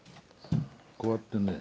こうやってね。